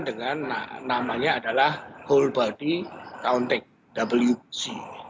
dengan namanya adalah whole body counting wbc